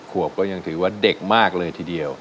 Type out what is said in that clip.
ขวบก็ยังถือว่าเด็กมากเลยทีเดียว